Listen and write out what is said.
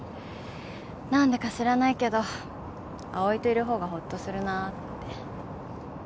何でか知らないけど葵といる方がほっとするなって。